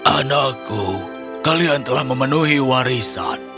anakku kalian telah memenuhi warisan